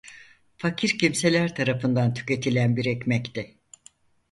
Fakir kimseler tarafından tüketilen bir ekmekti.